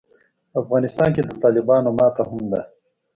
په افغانستان کې د طالبانو ماته هم ده.